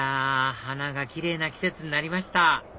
花が奇麗な季節になりました